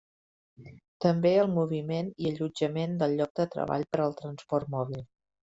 També el moviment i allotjament del lloc de treball per al Transport Mòbil.